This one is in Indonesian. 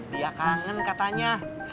dia kangen katanya